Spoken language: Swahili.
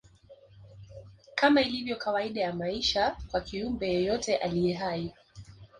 Kama ilivyo kawaida ya maisha kwa kiumbe yeyote aliye hai